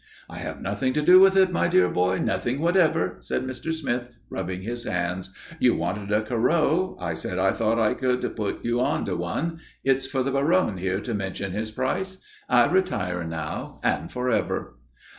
"I have nothing to do with it, my dear boy, nothing whatever," said Mr. Smith, rubbing his hands. "You wanted a Corot. I said I thought I could put you on to one. It's for the Baron here to mention his price. I retire now and for ever."